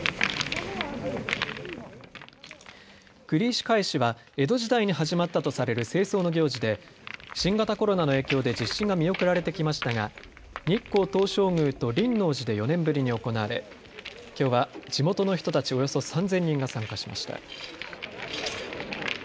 栗石返しは江戸時代に始まったとされる清掃の行事で新型コロナの影響で実施が見送られてきましたが日光東照宮と輪王寺で４年ぶりに行われきょうは地元の人たちおよそ３０００人が参加しました。